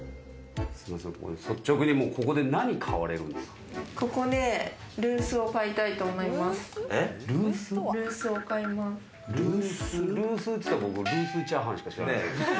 率直にここで何を買われるんですか？